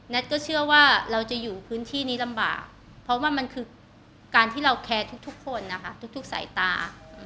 เชื่อว่าเราจะอยู่พื้นที่นี้ลำบากเพราะว่ามันคือการที่เราแคร์ทุกคนนะคะทุกสายตา